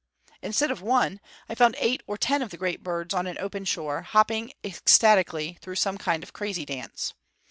Instead of one, I found eight or ten of the great birds on an open shore, hopping ecstatically through some kind of a crazy dance.